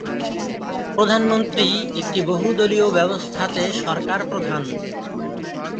প্রধানমন্ত্রী একটি বহুদলীয় ব্যবস্থাতে সরকার প্রধান।